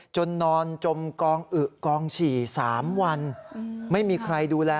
นอนจมกองอึกองฉี่๓วันไม่มีใครดูแล